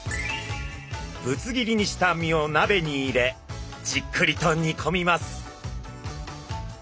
ぶつ切りにした身をなべに入れじっくりと煮込みます。